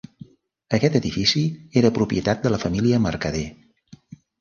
Aquest edifici era propietat de la família Mercader.